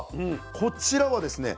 こちらはですね